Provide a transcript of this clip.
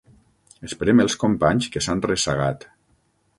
Esperem els companys que s'han ressagat.